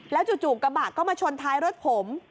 จู่กระบะก็มาชนท้ายรถผม